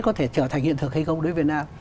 có thể trở thành hiện thực hay không đối với việt nam